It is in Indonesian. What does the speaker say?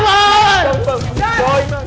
bawa jor gue takut cek